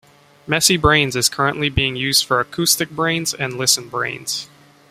MessyBrainz is currently being used for AcousticBrainz and ListenBrainz.